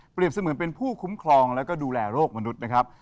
เสมือนเป็นผู้คุ้มครองแล้วก็ดูแลโรคมนุษย์นะครับ